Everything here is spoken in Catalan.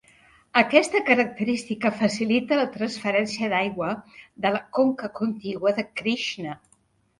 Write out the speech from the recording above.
Aquesta característica facilita la transferència d'aigua de la conca contigua de Krishna.